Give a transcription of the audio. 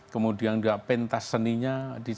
kemudian juga pentas seninya